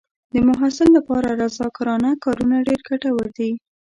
د محصل لپاره رضاکارانه کارونه ډېر ګټور دي.